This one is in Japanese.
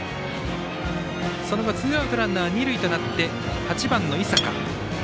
その後、ツーアウトランナー、二塁となって８番の井坂。